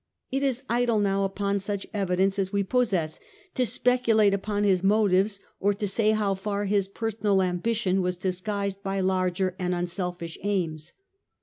It is idle now upon such evidence as we possess to speculate upon his motives, or to say how far personal We know ambition was disguised by larger and unselfish little of the aims.